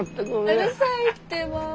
うるさいってば。